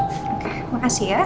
oke makasih ya